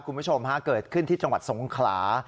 คุณผู้ชมฮะเกิดขึ้นที่จังหวัดสงขลา